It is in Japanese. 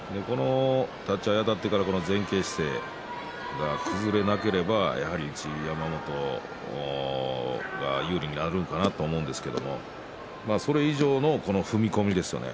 立ち合いあたってから前傾姿勢それが崩れなければ一山本が有利になるのかなと思いますけれどそれ以上の踏み込みですよね